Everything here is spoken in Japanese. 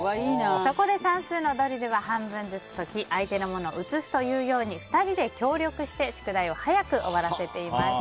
そこで算数のドリルは半分ずつ解き相手のものを写すというように２人で協力して宿題を早く終わらせていました。